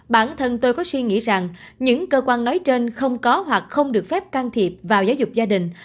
bản thân tôi có suy nghĩ rằng những cơ quan nói trên không có hoặc không được phép can thiệp vào giáo dục gia đình